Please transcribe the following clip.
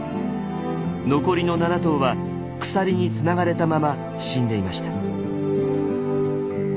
残りの７頭は鎖につながれたまま死んでいました。